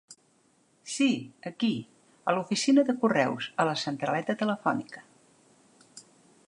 Sí, aquí; a l'oficina de correus, a la centraleta telefònica.